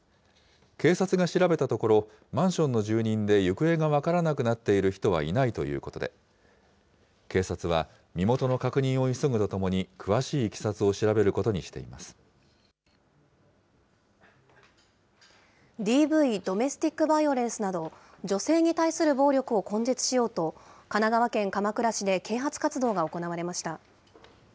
警察が調べたところ、マンションの住人で行方が分からなくなっている人はいないということで、警察は身元の確認を急ぐとともに、詳しいいきさつを調べることにしＤＶ・ドメスティックバイオレンスなど、女性に対する暴力を根絶しようと、神奈川県鎌倉市で啓発活動が行われました。